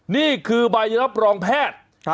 นี่คือใบรับรองแพทย์